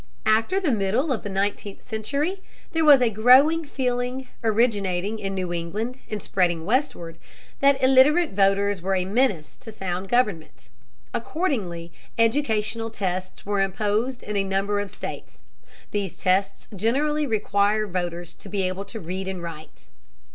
After the middle of the nineteenth century, there was a growing feeling, originating in New England and spreading westward, that illiterate voters were a menace to sound government. Accordingly, educational tests were imposed in a number of states. These tests generally require voters to be able to read and write.